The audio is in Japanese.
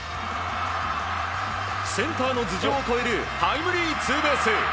センターの頭上を越えるタイムリーツーベース。